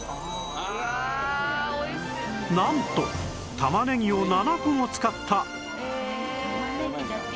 なんと玉ねぎを７個も使った